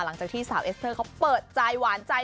หลังจากที่สาวเอสเตอร์เขาเปิดใจหวานใจ